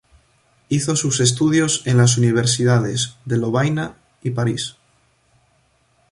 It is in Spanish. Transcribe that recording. Hizo sus estudios en las universidades de Lovaina y París.